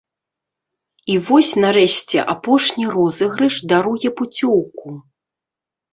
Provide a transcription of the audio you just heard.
І вось, нарэшце, апошні розыгрыш даруе пуцёўку.